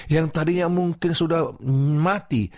yang tadinya mungkin sudah mati